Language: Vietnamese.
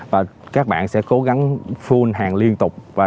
và các bạn sẽ cố gắng full hàng liên quan